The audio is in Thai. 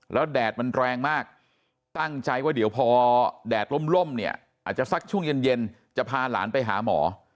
แล้วแดดมันแรงมากตั้งใจว่าเดี๋ยวพอแดดล่มเนี่ยอาจจะสักช่วงเย็นจะพาหลานไปหาหมอ